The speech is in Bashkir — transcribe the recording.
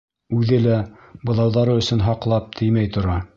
Үҙе лә, быҙауҙары өсөн һаҡлап, теймәй тора.